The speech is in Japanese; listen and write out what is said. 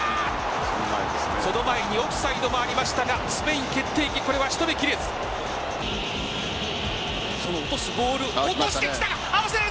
その前にオフサイドもありましたがスペインとめきれず落とすボール落としてきた。